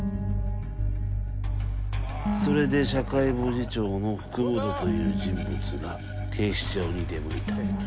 それで社会部次長の福本という人物が警視庁に出向いたんです。